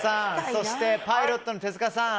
そして、パイロットの手塚さん